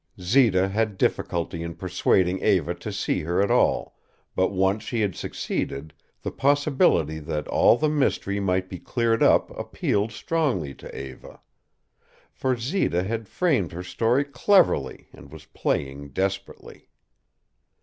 Zita had difficulty in persuading Eva to see her at all, but, once she had succeeded, the possibility that all the mystery might be cleared up appealed strongly to Eva. For Zita had framed her story cleverly and was playing desperately.